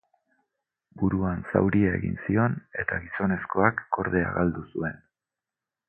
Buruan zauria egin zion eta gizonezkoak kordea galdu zuen.